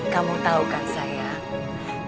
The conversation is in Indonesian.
kamu tahu kan sayang